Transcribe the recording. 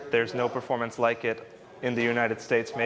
tidak ada performa seperti itu di amerika